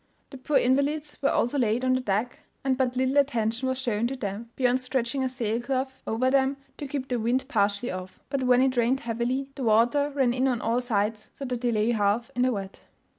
The poor invalids were also laid on the deck, and but little attention was shown to them, beyond stretching a sail cloth over them, to keep the wind partially off; but when it rained heavily, the water ran in on all sides, so that they lay half in the wet.